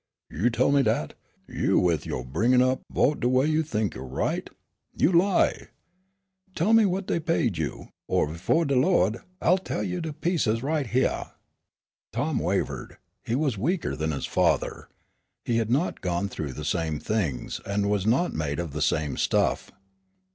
"You tell me dat? You with yo' bringin' up vote de way you think you're right? You lie! Tell me what dey paid you, or, befo' de Lawd, I'll taih you to pieces right hyeah!" Tom wavered. He was weaker than his father. He had not gone through the same things, and was not made of the same stuff.